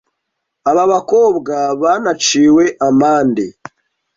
Aba bakobwa banaciwe amande